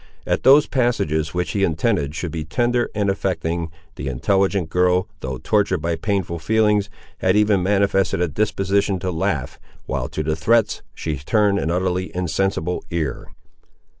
At those passages which he intended should be tender and affecting, the intelligent girl, though tortured by painful feelings, had even manifested a disposition to laugh, while to the threats she turned an utterly insensible ear.